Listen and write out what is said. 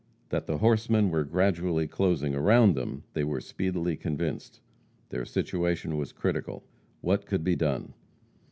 That the horsemen were gradually closing around them they were speedily convinced. Their situation was critical. What could be done?